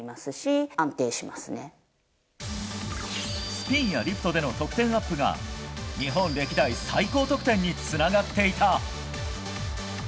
スピンやリフトでの得点アップが日本歴代最高得点につながっていた。